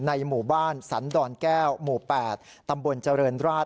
ในหมู่บ้านสันดรแก้วหมู่๘ตำบลจรรย์ราศ